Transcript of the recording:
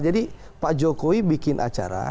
jadi pak jokowi bikin acara